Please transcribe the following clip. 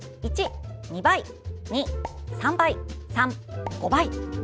１、２倍２、３倍３、５倍。